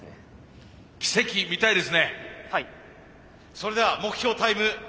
それでは目標タイム。